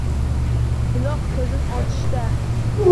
Buloq ko‘zin ochishda